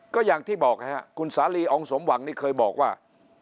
ก็อย่างที่บอกฮะคุณสาลีอองสมหวังนี่เคยบอกว่า